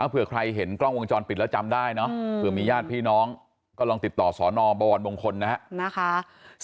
เผื่อใครเห็นกล้องวงจรปิดแล้วจำได้เนอะเผื่อมีญาติพี่น้องก็ลองติดต่อสอนอบวรมงคลนะครับ